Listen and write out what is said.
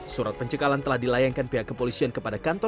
surat pencekalan telah dilayangkan pihak kepolisian kepada kantor